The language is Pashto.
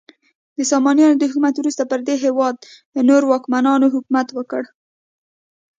د سامانیانو د حکومت وروسته پر دې هیواد نورو واکمنانو حکومت وکړ.